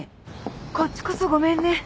こっちこそごめんね。